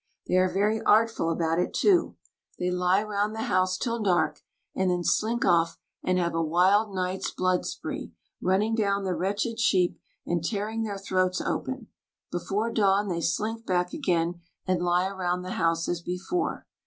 They are very artful about it, too. They lie round the house till dark, and then slink off and have a wild night's blood spree, running down the wretched sheep and tearing their throats open; before dawn they slink back again and lie around the house as before.